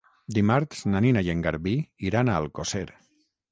Dimarts na Nina i en Garbí iran a Alcosser.